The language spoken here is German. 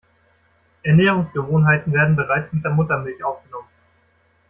Ernährungsgewohnheiten werden bereits mit der Muttermilch aufgenommen.